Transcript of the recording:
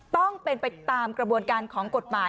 ต้องเป็นไปตามกระบวนการของกฎหมาย